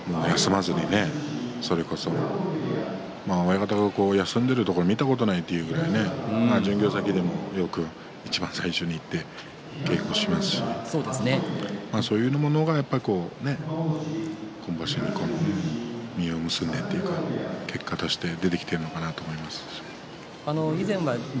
稽古を休まずにそれこそ親方は休んでいるところを見たことがないということを巡業でいちばん最初に稽古をしますしそれが今場所に実を結んだというか結果として出てきているのかなと思います。